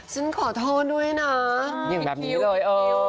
ฉันขอโทษด้วยนะอย่างแบบนี้เลย